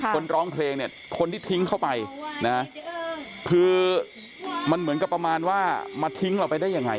คนร้องเพลงเนี่ยคนที่ทิ้งเข้าไปนะคือมันเหมือนกับประมาณว่ามาทิ้งเราไปได้ยังไง